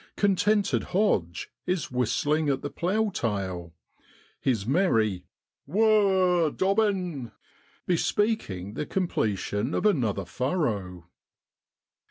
Contented Hodge is whistling at the plough tail, his merry ' Who oaa, Dobbin! ' bespeaking the completion of another furrow.